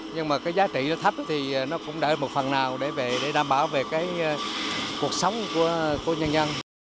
nhưng mà giá trị nó thấp thì nó cũng đợi một phần nào để đảm bảo về cuộc sống của nhân dân